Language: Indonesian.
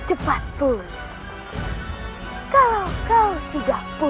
ceritanya panjang sekali